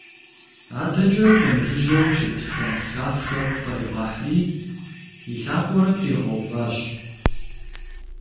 Адэкӏэ пэмыжыжьэу щыт шэнт лъахъшэр къригъэхьри и лъакъуэр тригъэуващ.